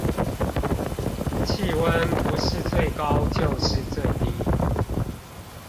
氣溫不是最高就是最低